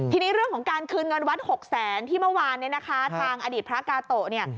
ทีนี้เรื่องของการคืนเงินวัดหกแสนที่เมื่อวานเนี่ยนะคะทางอดีตพระกาโตะเนี่ย